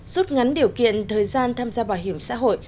rút ngắn điều kiện thời gian tham gia bảo hiểm xã hội